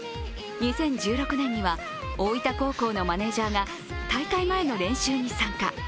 ２０１６年には大分高校のマネージャーが大会前の練習に参加。